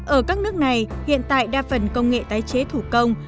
ở các nước này hiện tại đa phần công nghệ tái chế thủ công